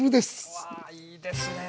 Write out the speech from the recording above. うわいいですね！